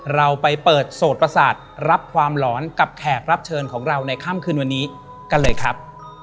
เราไปเปิดโสดประสาทรับความหลอนกับแขกรับเชิญของเราในค่ำคืนวันนี้กันเลยครับ